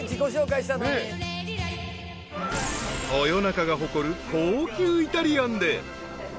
［豊中が誇る高級イタリアンで］